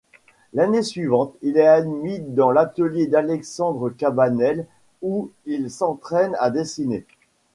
L'année suivante, il est admis dans l'atelier d'Alexandre Cabanel où il s'entraîne à dessiner.